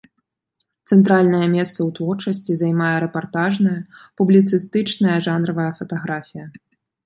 Цэнтральнае месца ў творчасці займае рэпартажная, публіцыстычная, жанравая фатаграфія.